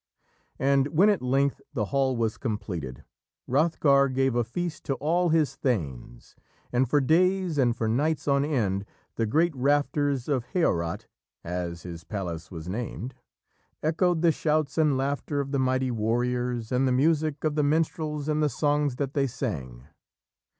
And when at length the hall was completed, Hrothgar gave a feast to all his thanes, and for days and for nights on end the great rafters of Heorot as his palace was named echoed the shouts and laughter of the mighty warriors, and the music of the minstrels and the songs that they sang.